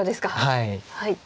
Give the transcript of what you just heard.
はい。